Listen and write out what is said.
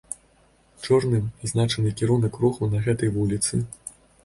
Чорным пазначаны кірунак руху на гэтай вуліцы.